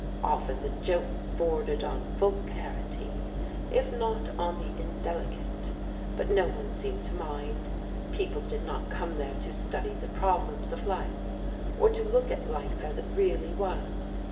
Often the jokes bordered on vulgarity, if not on the indelicate; but no one seemed to mind. People did not come there to study the problems of life, or to look at life as it really was.